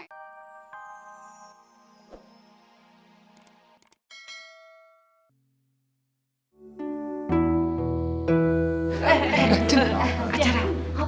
jangan jangan acara